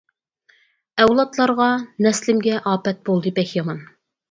ئەۋلادلارغا، نەسلىمگە، ئاپەت بولدى بەك يامان.